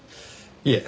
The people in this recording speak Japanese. いえ。